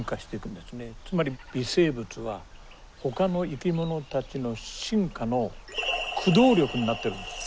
つまり微生物はほかの生き物たちの進化の駆動力になってるんですよ。